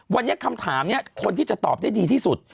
วันนี้คำถามนี้คนที่จะตอบได้ดีที่สุด